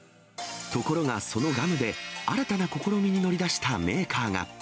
ところが、そのガムで新たな試みに乗り出したメーカーが。